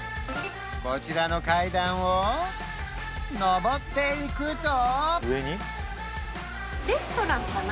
こちらの階段を上っていくと？